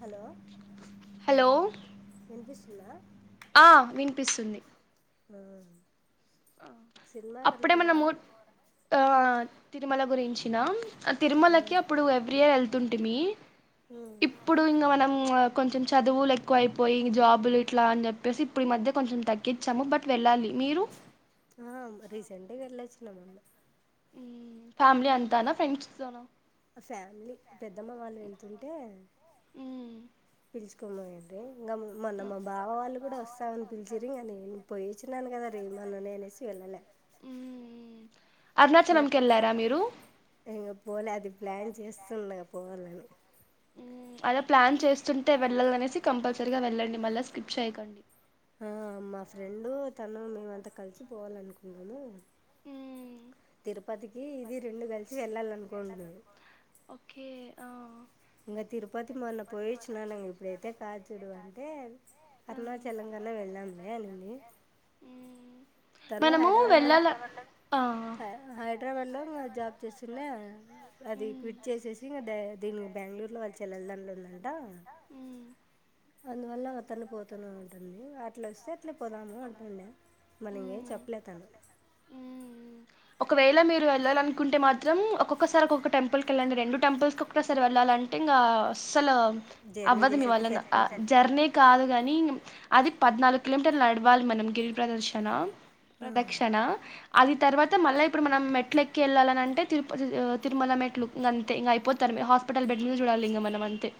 Hello hello విన్పిస్తుందా ఆ వినిపిస్తుంది ఆ సినిమాకి అట్లా అప్పుడే మన పోరా మ ఆ తిరుమల గురించిన ఆ తిరుమలకి అప్పుడు ఎవ్రీ ఇయర్ వెళ్తుంటిమీ ఇప్పుడు ఇంక మనం కొంచెం చదువులు ఎక్కువ అయిపోయి జాబులు ఇట్లా అని చెప్పేసి ఇప్పుడు ఈ మధ్య కొంచెం తగ్గించాము బట్ వెళ్ళాలి మీరు ఆ రీసెంట్గా వెళ్ళొచ్చినంమ్ ఫ్యామిలీ అంతానా ఫ్రెండ్స్ తోన ఆ ఫ్యామిలీ పెద్దమ్మ వాళ్ళు వెళ్తుంటే మ్మ్ పిలుచుకిని పోయింటి ఇంకా మన్న మ్మ్ మా బావ వాళ్ళు కూడా వస్తామని పిలిచిరికానీం పోయిచ్చినాను కదా రే మన నేనేసి వెళ్ళలే మ్మ్ మ్మ్ మాక ఇంకా పోలే అది ప్లాన్ చేస్తున్నా పోవాలని అలా ప్లాన్ చేస్తుంటే వెళ్లాలనేసి కంపల్సరీగా వెళ్ళండి మళ్ళా స్కిప్ చేయకండి ఆ మా ఫ్రెండు తను మేమంతా కలిసి పోవాలనుకున్నాము మ్మ్ తిరుపతికి ఇది రెండు కలిసి వెళ్ళాలన్న ఓకే ఆ ఇంగ తిరుపతి మొన్న పోయిచ్చినను ఇప్పుడయితే కాద్ చూడు అంటే ఆ అరుణాచలంగాణ వెళదాంలే అనింది మ్మ్ తను హైదరాబాద్ లో ఆ హై హైదరాబాద్ లో జాబ్ చేస్తుండ అది క్విట్ చేసేసి ఇంకా డే దీనికి బెంగళూరులో వాళ్ళు చెల్లెలుదంట్లో ఉందండి ఉమ్ అందువల్ల ఒత్తన పోతానే ఉంటుంది అట్లా వస్తే అట్లే పోదాము అంటుండే మల్లి ఇంకేం ఉమ్ చెప్పలే తను ఒకవేళ మీరు వెళ్ళాలినుకుంటే మాత్రం ఒక్కొక్కసారి ఒక్కొక్క టెంపులకెళ్ళండి రెండు టెంపల్స్ కి ఒకటేసారి వెళ్ళాలంటే ఇంగ అసలు జర్నీ అవ్వదు మీ చేసేకి వల్లన సరిపోతుంది జర్నీ కాదు కానీ అది పద్నాలుగు కిలోమీటర్లు నడవాలి మనం గిరి ప్రదర్శణ ప్రదక్షిణ అది తర్వాత మళ్ళీ ఇప్పుడు మనం మెట్లు ఎక్కి వెళ్ళాలని అంటే తిరుపతి తిరుమల మెట్లు ఇంగంతే ఇంగ అయిపోత హాస్పిటల్ బెడ్ మీద చూడాలి ఇంగ మనం అంతే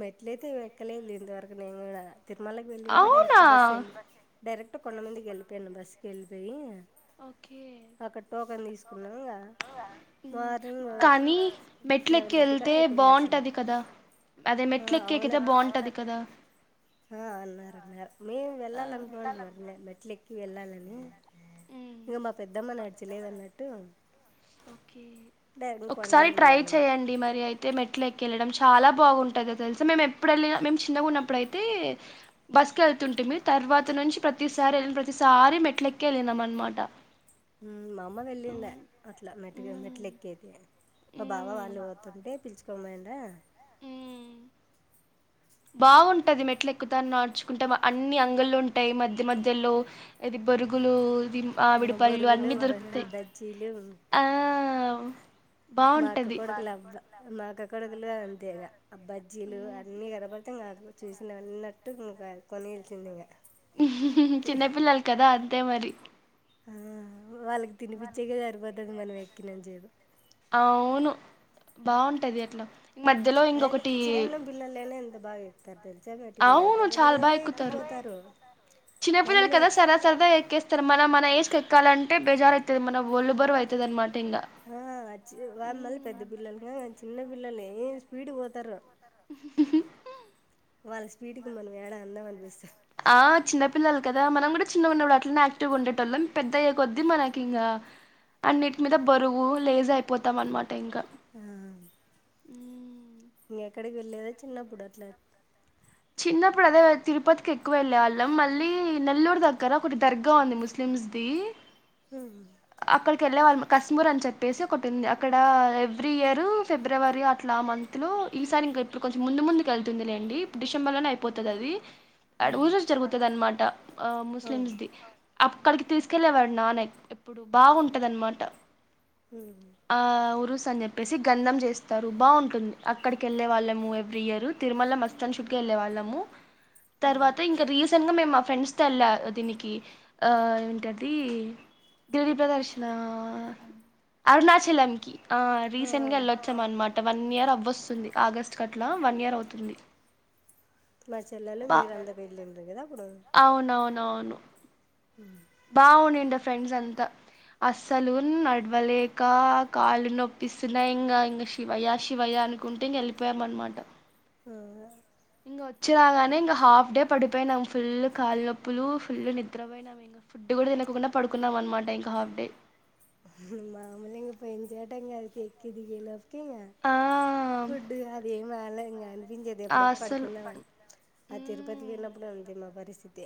మెట్లయితే ఎక్కలేదు లె ఇంతవరకు నేను కూడా తిరుమలకి వెళ్ళినా అవునా డైరెక్ట్ బస్సు వెళ్ళి డైరెక్ట్ కొండమందికి వెళ్ళిపోయాను బస్సుకి వెళ్ళిపోయి ఓకే అక్కడ టోకన్ తీసుకున్నాం ఇక మార్నింగ్ కానీ మెట్ల లెవెన్ ఎక్కి థర్టీ వెళ్తే కల్లా అయిపోయింది దర్శనం బాగుంటది కదా అదే మెట్ల ఎక్క ఎకితే బాగుంటంది కదా ఆ అన్నారన్నారు మేము వెళ్ళాలనుకొంటి మరి మెట్లు ఎక్కి వెళ్ళాలని ఇంగ మా పెద్దమ్మ నడిచలేదున్నట్టు ఓకే ఒకసారి మీదకి ట్రై వెళ్ళింది చెయండి మరి అయితే మెట్ ట్లేక్కి ఎల్లడం చాలా బాగుంటది తెల్సా మేం ఎప్పుడు ఎల్లిన మేం చిన్నన్నప్పుడైతే బస్ తుంటేమి తర్వాత నుంచి ప్రతిసారి ప్రతిసారి మెట్లెక్కే ఎల్లినం అనమాట మ్మ్ మా అమ్మ వెళ్లిండే అట్లా మెట్ మెట్లెక్కి మెట్లు ఎక్క అయితే వెళ్తే మా బాబా మంచిగా వాళ్ళు పోతుంటే పిలుచుకొని పోయిండ్రా బాగుంటది మెట్ల ఎక్కుతా నడుచుకుంటా అన్ని అంగలు ఉంటాయి మధ్య మధ్యలో అది బొరుగులు ఆ మామిడి పళ్ళు బొరుగులు అన్ని బ దొరుకుతాయి బజ్జీలు ఆ మా అక్క బావుంటది కొడుకులు అబ్బా మా అక్క కొడుకులు అంతేగా అ బజ్జీలు హ్మ్ అన్న కరబ అ చూసినవనట్టు ఇంగ కొనిల్సిందే ఇంగ చిన్నపిల్లలు కదా అంతే మరి ఆ వాళ్ళకి తినిపచ్చేక సరిపోతుది మనం ఎక్కినంత జెపు అవును బాగుంటది అట్లా మధ్యలో అయన ఇంకొకటి చిన్న పిల్లలైన ఎంత బా ఎక్కుతారు తెల్ సా మెటీకలు అవును దబా దబా దబా ఎక్కి పోతారు చిన్న పిల్లలు కదా సరాసరదగ ఎక్కేస్తారు మన మన ఏజ్ ఎక్కాలంటే బెజార్ అవుతుది మన ఒళ్ళు బరువు అవుతుంది అనమాట ఇంగా ఆచ్చి వా మళ్ళీ పెద్ద పిల్లలు గాని కాదు చిన్న పిల్లలు ఏం స్పీడ్ పోతారు వాళ్ళ స్పీడ్ కు మనం ఏడ అందం అనిపిస్తాం ఆ చిన్నపిల్లలు కదా మనం కూడా చిన్నగా ఉన్నప్పుడు అట్లనే యాక్టివ్ గా ఉండేటోళ్ళం పెద్ద అయ్యే కొద్ద్దీ మనకి ఇంకా అన్నింటి మీద బరువు లేజ్ అయిపోతాం అనమాట ట ఇంగ అనిపిస్తాం మ్మ్ ఇంక ఎక్కడికి వెళ్ళలేదా చిన్నప్పుడు అట్ల చిన్నప్పుడు అదే తిరుపతికి ఎక్కువ వెళ్ళేవాళ్ళం మళ్ళీ నెల్లూరు దగ్గర ఒకటి దర్గా ఉంది ముస్లిం స్లిమ్స్ ది అక్కడికి వెళ్ళే వాళ్ళ కశమూర్ అని చెప్పేసి ఒకటి ఉంది అక్కడ ఎవ్రీ ఇయర్ ఫిబ్రవరి అట్లా మంత్ లో ఈసారి ఇం ఇప్పుడు కొంచెం ముందు ముందుకు వెళ్తుందిలేండి డిసెంబర్ లోనే అయిపోతుది అది ఆ ఆహా ఊజోజ జరుగుతుంది అనమాట ఆ ముస్లిం అవును ది అక్కడికి తీసుకెళ్ళలేవాడు నాన్న ఎప్పుడు బాగుంది అన్నమాట ఉమ్. ఆ అని చెప్పేసి గంధం చేస్తారు బాగుంటుంది అక్కడికి వెళ్ళలే వాళ్ళము ఎవ్రీ ఇయర్ తిరుమలకి వస్తు వెళ్ళ వాళ్ళము తర్వా ఇంకా రసెంట్ గా నే ఫ్రెండ్స్ దీనికి ఆ ఏంటది గిరి ప్రదక్షణ అరుణాచలం కి ఆ రీసెంట్ గా వెళ్ళొచ్చాం అనమాట వన్ ఇయర్ అవ్వ వస్తుంది ఆగస్ట్ వన్ ఇయర్ అవుతుంది మా చెల్లలు బా మీరు అంత వెళ్ళిలు కదా అవునవునవును హ బాగుంది ఫ్రెండ్స్ అంతా అస్సలు నడవలేక కాళ్లు నొప్పిస్తున్నాయి ఇంకా ఇంక శివయ శివయ అనుకుంటే వెళ్ళిపోయామనమాట ఆ ఇంక వచ్చినగానే ఇంకా హాఫ్ డే పడిపోయినాం ఫుల్ కాలుప్పులు ఫుల్ నిద్రపోయినాంం ఫుడ్ కూడా తినకుండా పడుకున్నాం అనమాట ఇంకా హాఫ్ డే మామూలుంగా ఐపోయింది ఎక్కి దిగి వచ్చటపటికి ఆ ఫుడ్ అది బాలే ఇంకా అనిపించేది ఆ ఎప్పుడప్పుడు అస్సలు పడుకుందామని ఆ తిరుపతి మ్మ్ పోన్నప్పుడు అంతే మా పరిస్థితి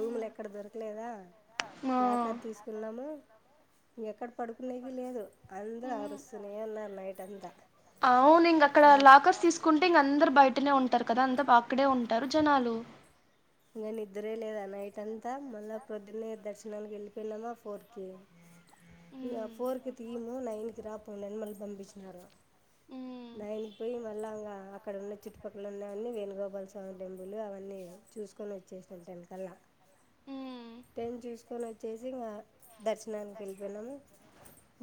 రూములు ఎక్కడ దొరకలేదా ఆ లాకర్ తీసుకున్నాము ఇంకెక్కడ పడుకునేవి లేదు అందరూ మ్మ్ ఆరుస్తూనే ఉన్నారు నైట్ అంతా అవును ఇంక అక్కడ ఆ, లాకర్స్ తీసుకుంటే ఇంక అందరు బయటనే ఉంట కదా అంతా బయట అక్కడే ఉంటారు జనాలు ఇదంతా మళ్ళా ప్రొద్దునే దర్శనానికి వెళ్ళిపోయినామా ఫోర్ కి ఇం మ్మ్ పోరుకు త తీము నైనుకి రాపో నిెన్మల్ పంపించారు ఉమ్ నైన్ కింపోయి మళ్ళీ ఇంకా అక్కడ ఉన్న చుట్టుపక్కల ఉన్నవన్నీ వేణుగోపాల స్వామి టెంపుల్ అవన్నీ చూసుకొని వచ్చేసా ఉ టైన్ చూసుకొని వచ్చేసి ఇంకా దర్శనానికి వెళ్ళిపోనాము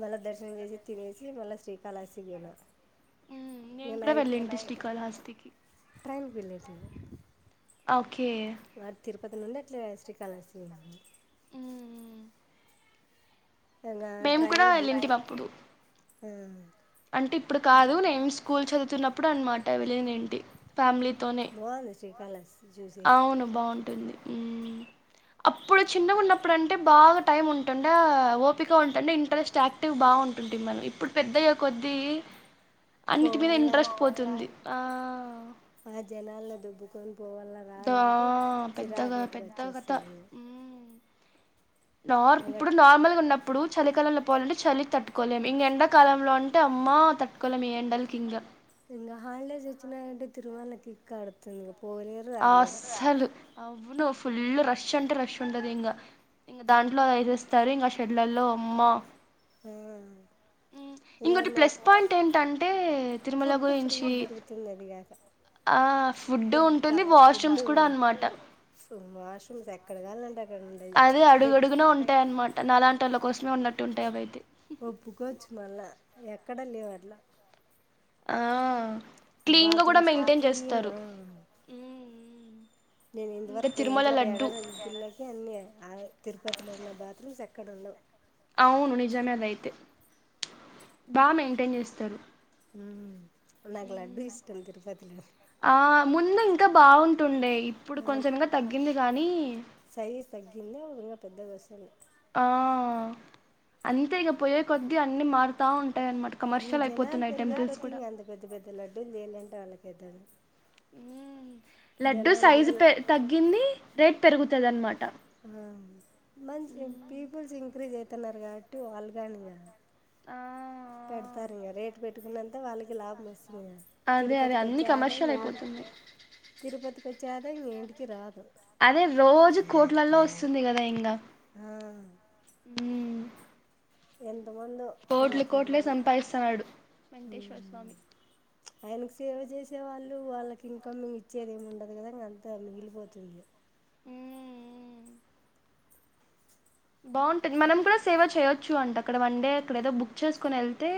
మళ్ళా దర్శనం చేసి తినేసి మల్ల శ్రీ కాళహస్తి పోయిన ఉమ్ నేను కూడా ఐతే వెళ్ళింటి శ్రీకాళహస్తికి ట్రైన్ ఓకే తిరుపతి నుండి అట్లే శ్రీ కాళహస్తి అ ఇంకా మేము కూడా వెళ్ళాం అప్పుడు ఆ అంటే ఇప్పుడు కాదు నేను స్కూల్ చదువుతున్నప్పుడు అనమాట విళ ఏంటి ఫ్యామిలీ బాగుంది శ్రీ కాళహస్తి ఉ అప్పుడు చిన్నగా ఉన్నప్పుడు అంటే బాగా టైమ్ ఉంటుండ ఓపిక ఉంటుండే ఇంట్రెస్ట్ యాక్టివ్ బా బాగుంటుంది మనం ఇప్పుడు పెద్దయొక్క కొద్దిీ అన్నిటి మీద పోవాల ఇంట్రెస్ట్ పోతుంది ఆ ఆ జనాలు దోబుకొని దా రావాలంటే పెద్దగా చిరాకుటుగా పెద్ద కథ వచ్చేస్తుంది ఉమ్ నార్ ఇంకా ఇప్పుడు నార్మల్గా వున్నపుడు ఇప్పుడు చలికాలంలో పోవాలంటే చలి తట్టుకోలేం ఇంకా ఎండాకాలంలో అంటే అమ్మ తట్టుకోలేం ఈ ఎండలకి ఇంకా ఇంగ హాలిడేస్ వచ్చనంట తిరుమల అడుతుంది అస్సలు అవును ఫుల్ రష్ అంటే రష్ ఉండదు ఇంకా ఇంకా దాంట్లో వేస్తారు ఇంకా షెడ్లల్లో అమ్మా [unintelligible] ఇంకా ఇంకోొటి మా ప్లస్ పాయింట్ ఏంటంటే తిరుమల ఫుడ్ ఫ్రీ గురించి దొరుకుతుంది అది కాక ఆ ఫుడ్ ఉంట ఫుడ్ వాష్రూమ్స్ ఎక్కడ కాలంటే అక్కడ ఉండేది అది పెట్ అడుగుడుగునే ఉంటాయి అనమాట నాలాంటి వాళ్ళ కోసం ఉన్నట్టు ఉంటాయి అవయితే ఒప్పుకోవచ్చు మళ్ళా ఎక్కడ లేవు అట్లా ఆ క్లీన్గా కూడా బాత్రూమ్స్క మెయింటైన్ చేస్తారు క్లీన్గా మ్, మ్. నేను ఇంకా ఇంతవరకు పోయిన తిరుమల చోట లడ్డు ఏడాని గుళ్ళకి అన్ని ఆ తిరుపతిలో ఉన్న బాత్రూమ్స్ ఎక్కడ ఇక్కడుండవు అవును నిజమేదయితే బా మెయింటైన్ చేస్తారు హ్మ్మ్ నాకు లడ్డూ ఇష్టం తిరుపతిలో ఆ ముందు ఇంకా బాగుంటుండే ఇప్పుడు కొంచెం ఇంకా తగ్గింది కానీ పెద్ద వసలు ఆ అంతే ఇక పోొయే కొద్దీ అన్నిీ మారుతా ఉంటా ఇంకా జనాలు పెరిగే కొద్ది అంత పెద్ద పెద్ద లడ్డుూలు చేయాలంటే వాళ్ళకి అయితద లడ్డుూ సైజు పెరిగే పె తగ్గింది రేట్ పెరుగుతది అనమాట ఆ మంచి పీపుల్స్ ఇంక్రీజ్ అవుతున్నారు కాబట్టి వాళ్ళు కాని ఇగ ఆ పెడతారు ఇంకా రేటు పెట్టుకున్నంతే వాళ్ళకి లాభం వస్తుంది అదే అదే తిరుపతికి అన్ని వచ్చే ఆదాయం కమర్షియల్ ఏంటి అయిపోతుంది తిరుపతికి వచ్చే ఆదాయం దేనికి రాదు అదే రోజు కోట్లల్లో వస్తుంది కదా ఇంకా ఆ హు ఎన్ కోట్లు కోట్లే సంపాదిస్తున్నాడు వెంకటేశ్వర ఉమ్ స్వామి ఆయనకు సేవ చేసే వాళ్ళు ఇ వాళ్ళకి ఇంకా మ ఇచ్చేదిేమి ఉండదు కదా ఇంకంత మిగిలిపోతుంది మ్మ్ బాగుంటది మనం కూడా సేవ చేయొచ్చు అంట అక్కడ వన్ డే అక్కడ ఏదో బుక్ చేసుకుని వెళ్తే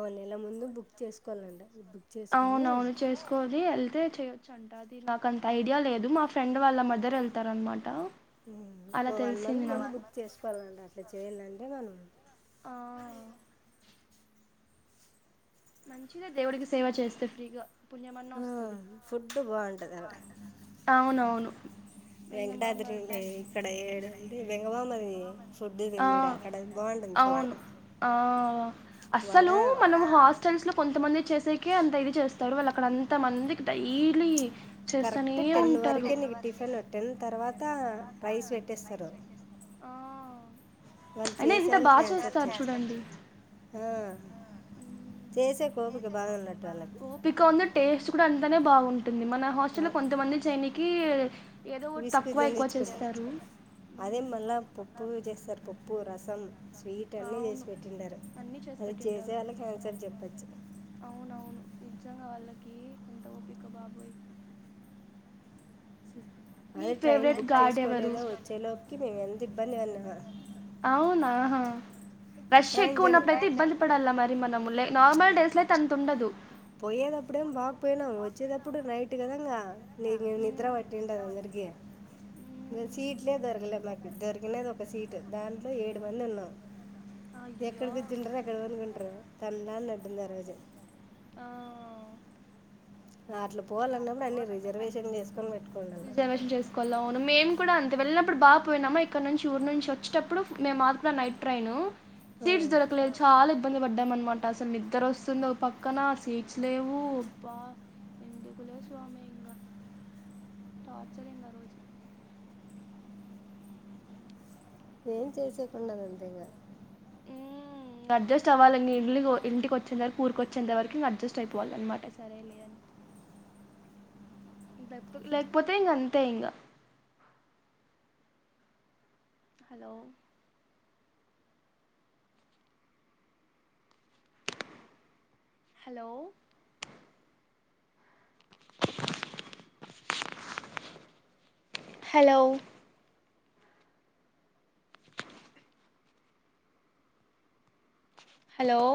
ఓ నెల ముందు బుక్ చేసుకోవాలంట బుక్ చేసుకొని అవునవును చేసుకోవ అ వెళ్తే చెయొచ్చు అంట అది నాకు అంత ఐడియా లేదు మా ఫ్రెండ్ వాళ్ళ మదర్ వెళ్తారు అనమాట ఓ వన్ మంత్ ముందు బుక్ చేసుకోవాలండి అట్లా చేయాలంటే మనం ఆ మంచిదే దేవుడికి సేవ చేస్తే ఫ్రీగా పుణ్యమన్న ఆ వస్తది ఫుడ్ బాగుంటది అడ అవునవును వెంగమాంబల్ వెంకటాద్రిండి పంచ్ ఇక్కడ [unintelligible] వెంగమాంబ ది ఫుడ్ ఆ కింజడు అక్కడ బాగుంటుంది ఫుడ్ అవును ఆ అస్సలు వడ మనం హాస్టల్స్ లో కొంతమంది చేసేకి అంత ఇది చేస్తాడు వాళ్ళు అక్కడ అంత మందికి డైలీ చేస్తూనే కరెక్ట్ టెన్ ఉంటారు వరకే నీకు టిఫిన్ టెన్ తర్వాత రైస్ పెట్టేస్తారు ఆ వాళ్ళు అయినా చేసే ఎంత వాళ్ళకి బాగా హ్యాండ్స్ ఆఫ్ చేస్తారు చేయచ్చు చూడండి ఆ చేసేకి ఓపిక బాగున్నట్టు ఓపిక ఉంద టేస్ట్ కూడా అంతానే బాగుంటుంది మన హాస్టల్ లో ఆ, కొంతమంది చేయనికి ఏదోటి ఒక విసుగు తక్కువ ఎక్కువ చెందించుకుంటా చేస్తారు అదే మళ్ళీ పప్పు చేస్తారు పప్పు రసం స్వీట్ అన్ని అవును చేసి పెట్టింటారు అన్నీ చేసి అది పెట్టింటారు చేసేవాళ్ళకి హాండ్స్ ఆఫ్ చెప్పచ్చు అవునవును నిజంగా వాళ్ళకి ఎంత ఓపిక బాబోయ్ మీ అదే ట్రైన్ ఫేవరెట్ బుక్ గాడ్ ఎవరు చేసుకోలేదా వచ్చే లోపకి మేము ఎంత ఇబ్బంది పడినామా అవునాహా రష్ ట్రైన్ ఎక్కువ జన్ ఉన్నప్పుడుయితే ఇబ్బంది పడాలా మరి మనము నార్మల్ డేస్ లో అయితే అంత ఉండదు. పోయ్యేదఅప్పుడే బగ్ పోయినాం వచ్చేది అప్పుడు నైట్ గదాంగా నిక్ మేం నిద్ర పట్టింట అందరికీ సీట్లే దొరకలే మాకు దొరికినది ఒక సీటు దాంట్లో ఏడు మంది ఉన్నాం. ఎక్కడ అయ్యో కూర్చుంట్రు ఎక్కడ పనుకుంటారు తల్నాళ్ళు అడ్డుంది ఆ రోజు ఆ అట్లా పోవాలన్నప్పుడు అన్ని రిజర్వేషన్లు చేసుకొని పెట్టుకోండి అన్న రిజర్వేషన్ చేసుకోల అవును మేము కూడా అంత్ త్ వెళ్ళినప్పుడు బాగా పోయినామా ఇక్కడ నుంచి ఊరు నుంచి వచ్చేటప్పుడు మేము మాత్రం నైట్ ట్రైను ఆ, సీట్స్ దొరకలేదు చాలా ఇబ్బంది పడ్డామ్ అనమాట అసలు నిద్దరోస్తుందో ఓ పక్కన సీట్స్ లేవు అబ్బా ఎందుకు లే స్వామి ఇంగ టార్చర్ ఇంగా రోజు ఏమ్ చేసెకుండద్ అంతే ఇగ హ్మ్ అడ్జస్ట్ అవ్వాలి. ఇన్నీ ఇల్లి గో ఇంటికి వచ్చేంత వరకు ఊరిక వచ్చేంత వరకు అడ్జస్ట్ అయిపోవాలి. అనమాట సరే లే అని లేప్ లేకపోతే ఇగ అంతే ఇగ హలో హలో హలో హలో